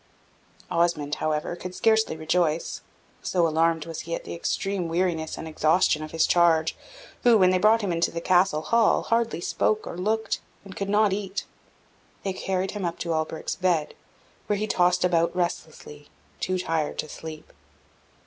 Osmond, however, could scarcely rejoice, so alarmed was he at the extreme weariness and exhaustion of his charge, who, when they brought him into the Castle hall, hardly spoke or looked, and could not eat. They carried him up to Alberic's bed, where he tossed about restlessly, too tired to sleep.